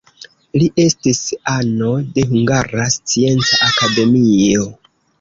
Li estis ano de Hungara Scienca Akademio.